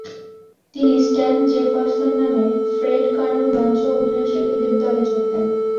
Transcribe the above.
তিনি "Stan Jefferson" নামে Fred কার্নোর মঞ্চ অভিনয়শিল্পীদের দলে যোগ দেন।